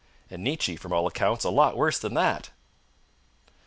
And Nietzsche, from all accounts, a lot worse than that!